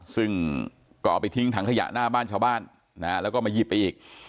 ซึ่งก็เอาไปทิ้งถังขยะหน้าบ้านชาวบ้านนะฮะแล้วก็มาหยิบไปอีก